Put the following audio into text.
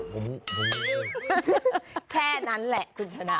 ผมแค่นั้นแหละคุณชนะ